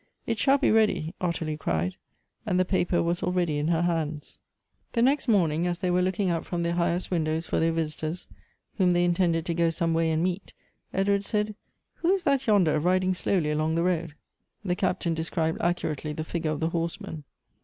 "It shall be ready," Ottilie cried; and the paper was already in her hands. The next morning, as they were looking out from their highest windows for their visitors, whom they intended to go some way and meet, Edward said, " Who is that yonder, riding slowly along the road? " The Captain described accurately the figure of the horseman.